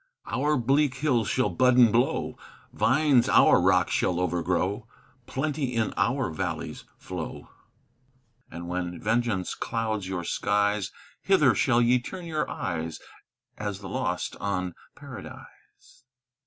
"Our bleak hills shall bud and blow, Vines our rocks shall overgrow, Plenty in our valleys flow; "And when vengeance clouds your skies, Hither shall ye turn your eyes, As the lost on Paradise!